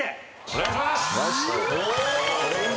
お願いします！